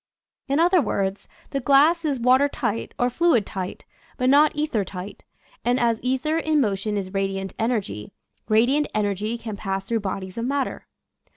In other words, the glass is water tight or fluid tight, but not ether tight, and as ether in motion is radiant energy, radiant en ergy can pass through bodies of matter.